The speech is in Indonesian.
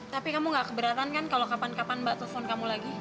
tapi kamu gak keberatan kan kalau kapan kapan mbak telepon kamu lagi